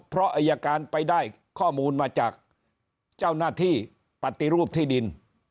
เพราะอายการไปได้ข้อมูลมาจากเจ้าหน้าที่ปฏิรูปที่ดิน